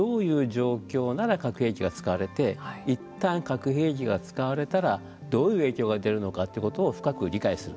長崎大学教授の核兵器が使われていったん使われたら、どういう影響が出るのかということを深く理解する。